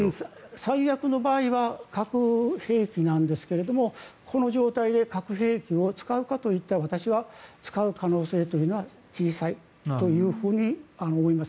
最悪の場合は核兵器なんですがこの状態で核兵器を使うかといったら私は使う可能性というのは小さいというふうに思います。